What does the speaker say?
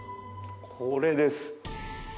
これです。